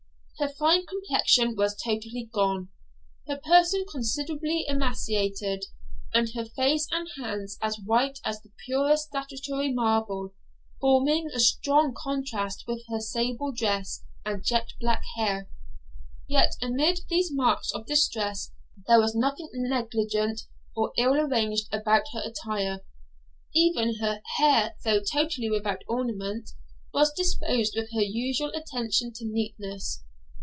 Her fine complexion was totally gone; her person considerably emaciated; and her face and hands as white as the purest statuary marble, forming a strong contrast with her sable dress and jet black hair. Yet, amid these marks of distress there was nothing negligent or ill arranged about her attire; even her hair, though totally without ornament, was disposed with her usual attention to neatness.